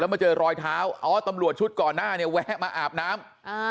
มาเจอรอยเท้าอ๋อตำรวจชุดก่อนหน้าเนี่ยแวะมาอาบน้ำ